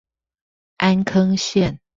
安坑線